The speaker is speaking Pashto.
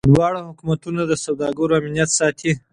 دواړه حکومتونه د سوداګرو امنیت ساتي.